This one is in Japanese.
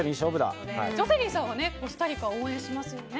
ジョセリンさんはコスタリカを応援しますよね？